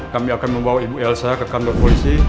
kami akan membawa ibu elsa ke kantor polisi